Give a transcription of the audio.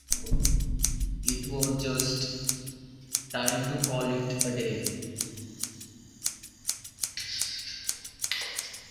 It was just... time to call it a day.